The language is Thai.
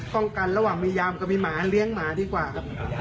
ข้องกันระหว่างมียามก็มีหมาเลี้ยงหมาดีกว่าครับ